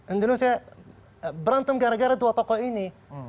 indonesia berantem gara gara dua tokoh ini